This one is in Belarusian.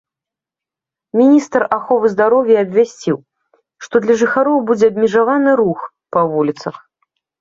Міністр аховы здароўя абвясціў, што для жыхароў будзе абмежаваны рух па вуліцах.